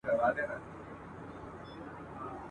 چي پلوي ورور دي په درنښت